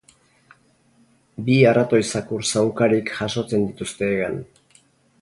Bi arratoi-zakur zaunkarik jasotzen dituzte hegan.